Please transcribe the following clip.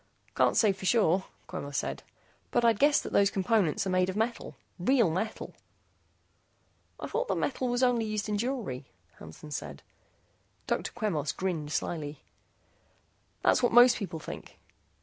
"Can't say for sure," Quemos said, "but I'd guess that those components are made of metal real metal." "I thought that metal was used only in jewelry," Hansen said. Dr. Quemos grinned slyly. "That's what most people think.